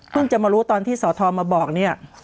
จะมารู้ตอนที่สอทรมาบอกเนี่ย